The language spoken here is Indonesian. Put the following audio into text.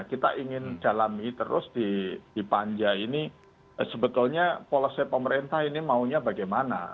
kita ingin dalami terus di panja ini sebetulnya polisi pemerintah ini maunya bagaimana